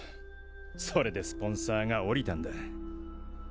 それでスポンサーがおりたんだ。